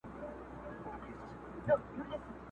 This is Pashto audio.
بوډا سترګي کړلي پټي په ژړا سو!.